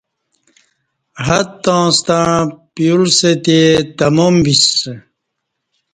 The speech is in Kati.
حدتاستݩع پیولستی تمام بیسہ